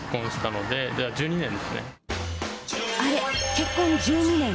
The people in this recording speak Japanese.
あれ、結婚１２年？